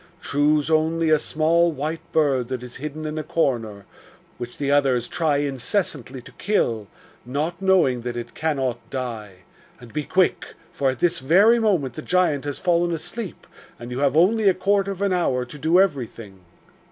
Choose only a small white bird that is hidden in a corner, which the others try incessantly to kill, not knowing that it cannot die. And, be quick! for at this very moment the giant has fallen asleep, and you have only a quarter of an hour to do everything.